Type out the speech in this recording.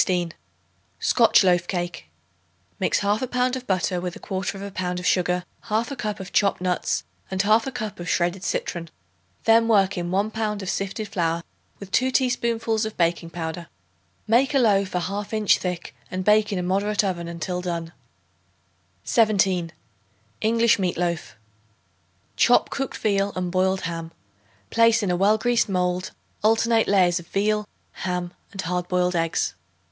Scotch Loaf Cake. Mix 1/2 pound of butter with 1/4 pound of sugar, 1/2 cup of chopped nuts and 1/2 cup of shredded citron; then work in 1 pound of sifted flour with 2 teaspoonfuls of baking powder. Make a loaf a half inch thick and bake in a moderate oven until done. 17. English Meat Loaf. Chop cooked veal and boiled ham; place in a well greased mold alternate layers of veal, ham and hard boiled eggs.